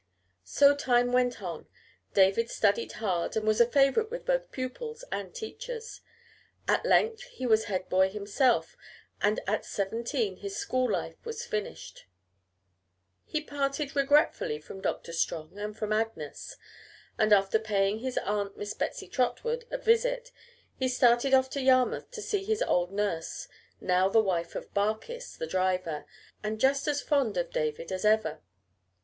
So time went on. David studied hard and was a favorite with both pupils and teachers. At length he was head boy himself, and at seventeen his school life was finished. He parted regretfully from Doctor Strong and from Agnes, and after paying his aunt, Miss Betsy Trotwood, a visit, he started off to Yarmouth to see his old nurse, now the wife of Barkis, the driver, and just as fond of David as ever.